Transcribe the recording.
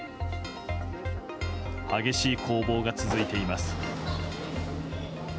激しい攻防が続いています。